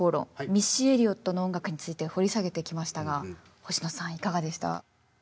ミッシー・エリオットの音楽について掘り下げてきましたが星野さんいかがでした？